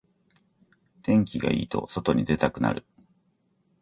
天気がいいと外に出たくなる